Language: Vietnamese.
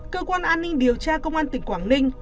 cơ quan an ninh điều tra công an tỉnh quảng ninh